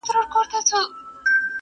د بوډا وو یو لمسی اته کلن وو،